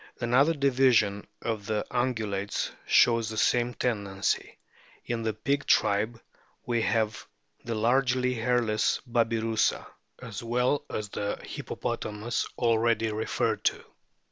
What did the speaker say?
Another division of the Ungu lates shows the same tendency ; in the pig tribe we have the largely hairless Babyrusa, as well as 30 A BOOK OF' WHALES the Hippopotamus already referred to.